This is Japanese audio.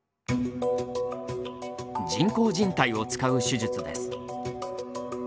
人工じん帯を使う手術です。